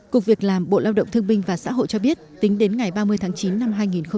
cục việc làm bộ lao động thương binh và xã hội cho biết tính đến ngày ba mươi tháng chín năm hai nghìn một mươi chín